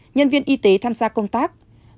nhân viên y tế tham gia công tác